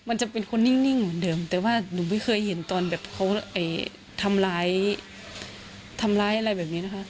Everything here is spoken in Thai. มันจะเป็นคนนิ่งเหมือนเดิมแต่ว่าหนูไม่เคยเห็นตอนแบบเขาทำร้ายทำร้ายอะไรแบบนี้นะคะ